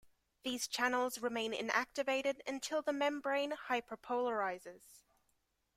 These channels remain inactivated until the membrane hyperpolarizes.